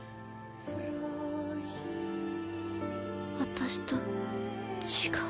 私と違う。